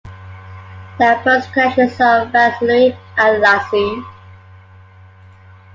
There are bus connections to Vaslui and Iași.